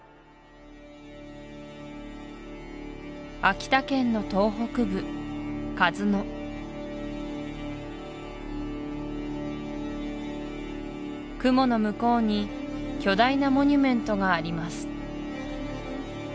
秋田県の東北部鹿角雲の向こうに巨大なモニュメントがあります